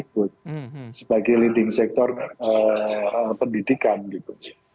kemen negeri adalah sebuah perusahaan yang sangat penting untuk memiliki kekuatan yang sangat penting